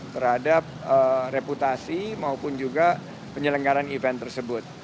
terhadap reputasi maupun juga penyelenggaran event tersebut